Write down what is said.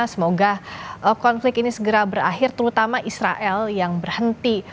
semoga konflik ini segera berakhir terutama israel yang berhenti